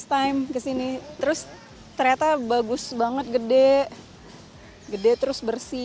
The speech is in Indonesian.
terus ternyata bagus banget gede gede terus bersih